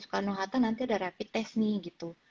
sukanohata nanti ada rapid test nih gitu